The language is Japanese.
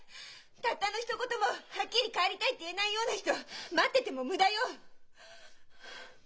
たったのひと言もはっきり「帰りたい」って言えないような人待ってても無駄よ！